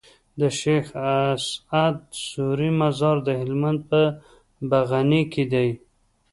د شيخ اسعد سوري مزار د هلمند په بغنی کي دی